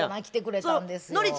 来てくれたんですよ。